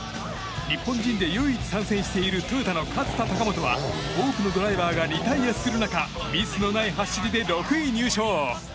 日本人で唯一参戦しているトヨタの勝田貴元は多くのドライバーがリタイアする中ミスのない走りで６位入賞。